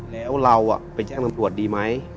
แล้วเราไปแจ้งตำรวจดีไหม